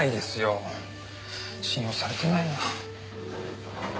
信用されてないなあ。